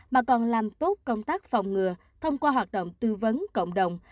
mà còn làm tốt công tác phòng ngừa thông qua hoạt động tư vấn cộng đồng